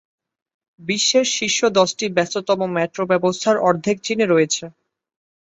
বিশ্বের শীর্ষ দশটি ব্যস্ততম মেট্রো ব্যবস্থার অর্ধেক চীনে রয়েছে।